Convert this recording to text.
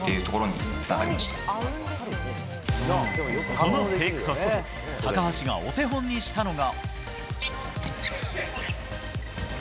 このフェイクトス高橋がお手本にしたのが。